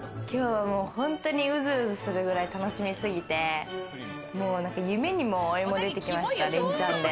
今日はもう本当に、うずうずするくらい楽しみすぎて、夢にもお芋でてきました、連チャンで。